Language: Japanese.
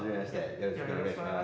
よろしくお願いします。